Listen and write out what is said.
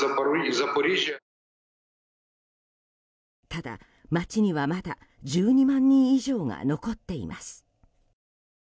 ただ、街にはまだ１２万人以上が残っています。